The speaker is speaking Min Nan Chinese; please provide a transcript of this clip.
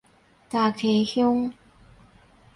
礁溪鄉